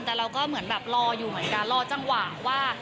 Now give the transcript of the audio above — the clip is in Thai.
แต่เราก็เหมือนแบบรออยู่เหมือนกันรอจังหวะว่า